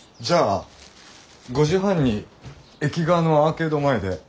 じゃあ５時半に駅側のアーケード前で。